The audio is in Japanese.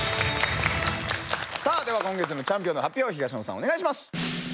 さあでは今月のチャンピオンの発表を東野さんお願いします。